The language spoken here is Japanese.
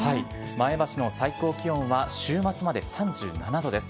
前橋の最高気温は、週末まで３７度です。